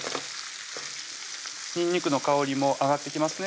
にんにくの香りも上がってきますね